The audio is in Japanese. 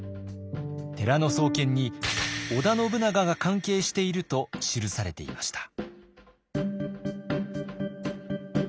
寺の創建に織田信長が関係していると記されていました。